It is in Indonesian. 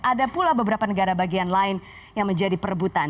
ada pula beberapa negara bagian lain yang menjadi perebutan